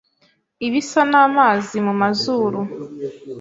ibisa n’amazi mu mazuru